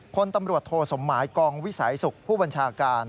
พลตำรวจโทสมหมายกองวิสัยสุขผู้บัญชาการ